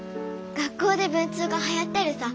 学校で文通がはやってるさ。